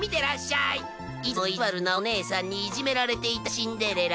いつもいじわるなお姉さんにいじめられていたシンデレラ。